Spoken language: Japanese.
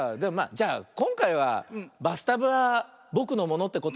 じゃあこんかいはバスタブはぼくのものってことで。